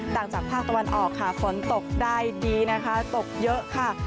จากภาคตะวันออกค่ะฝนตกได้ดีนะคะตกเยอะค่ะ